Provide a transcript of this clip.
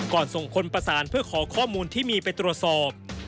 ส่งคนประสานเพื่อขอข้อมูลที่มีไปตรวจสอบ